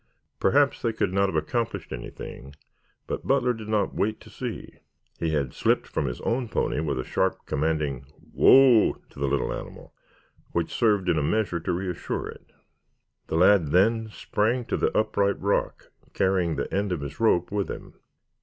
Perhaps they could not have accomplished anything, but Butler did not wait to see. He had slipped from his own pony with a sharp, commanding "Whoa" to the little animal, which served in a measure to reassure it. The lad then sprang to the upright rock carrying the end of his rope with him.